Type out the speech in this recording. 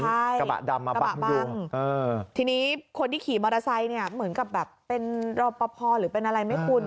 ใช่กระบะดำมาบะบังเออทีนี้คนที่ขี่มอเตอร์ไซค์เนี่ยเหมือนกับแบบเป็นรอปภหรือเป็นอะไรไหมคุณ